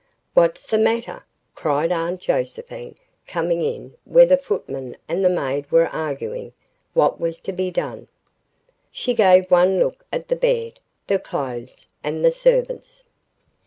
"What's the matter?" cried Aunt Josephine coming in where the footman and the maid were arguing what was to be done. She gave one look at the bed, the clothes, and the servants.